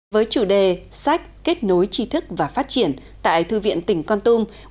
với chủ đề sách kết nối trí thức và phát triển tại thư viện tỉnh con tung